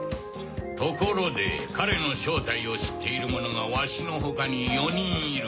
ところで彼の正体を知っている者がわしの他に４人いる。